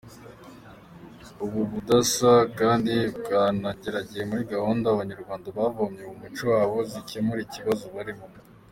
Ubu budasa kandi bwanagaragaye muri gahunda abanyarwanda bavomye mu muco wabo zikemura ibibazo barimo.